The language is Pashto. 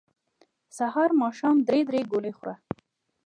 سحر ماښام درې درې ګولۍ خوره